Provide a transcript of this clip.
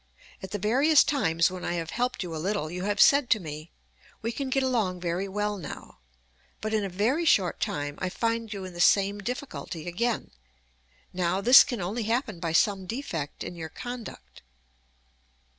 At the various times when I have helped you a little, you have said to me, "We can get along very well now," but in a very short time I find you in the same difficulty again. Now this can only happen by some defect in your conduct.